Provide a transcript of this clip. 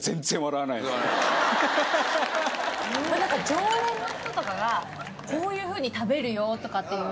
常連の人とかがこういうふうに食べるよとかっていう・